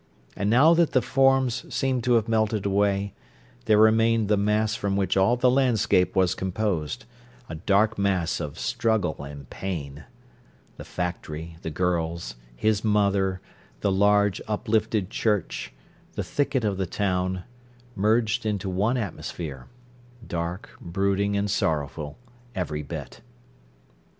And now that the forms seemed to have melted away, there remained the mass from which all the landscape was composed, a dark mass of struggle and pain. The factory, the girls, his mother, the large, uplifted church, the thicket of the town, merged into one atmosphere—dark, brooding, and sorrowful, every bit.